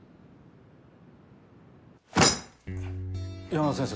山田先生